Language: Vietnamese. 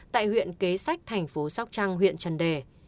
tại huyện kế sách thành phố sóc trăng huyện trần đề